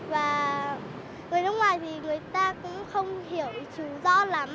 và người nước ngoài thì người ta cũng không hiểu chú rõ lắm